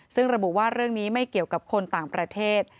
ซึ่งระบุว่าเรื่องนี้ไม่เกี่ยวกับคนต่างประเทศ